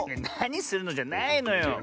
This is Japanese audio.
「なにするの？」じゃないのよ。